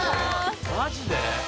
マジで？